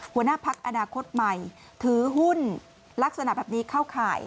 หัวหน้าพักอนาคตใหม่ถือหุ้นลักษณะแบบนี้เข้าข่าย